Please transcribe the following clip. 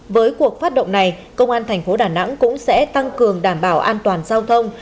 với cuộc phát động này công an thành phố đà nẵng cũng sẽ tăng cường đảm bảo an toàn giao thông